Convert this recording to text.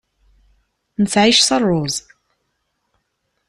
Nettεic s rruẓ.